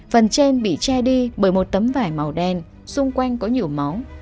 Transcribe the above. phần trên bị che đi bởi một tấm vải màu đen xung quanh có nhiều máu